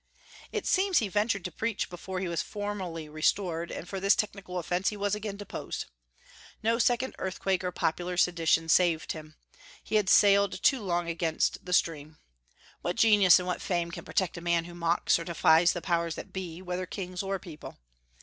It seems he ventured to preach before he was formally restored, and for this technical offence he was again deposed. No second earthquake or popular sedition saved him. He had sailed too long against the stream. What genius and what fame can protect a man who mocks or defies the powers that be, whether kings or people?